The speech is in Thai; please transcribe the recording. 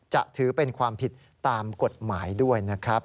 จะถือเป็นความผิดตามกฎหมายด้วยนะครับ